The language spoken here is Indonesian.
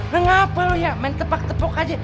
kenapa lo ya main tepak tepok aja